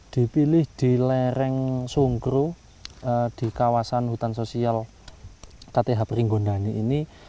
dipilih di lereng sungkro di kawasan hutan sosial kth pringgondani ini